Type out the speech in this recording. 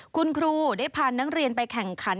คุณครูได้พานักเรียนไปแข่งขัน